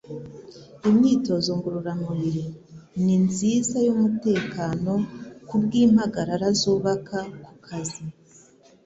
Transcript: Imyitozo ngororamubiri ni nziza yumutekano kubwimpagarara zubaka kukazi